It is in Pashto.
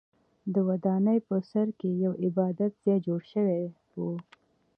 د ودانۍ په سر کې یو عبادت ځای جوړ شوی و.